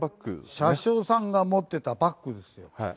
車掌さんが持ってたバッグですよ。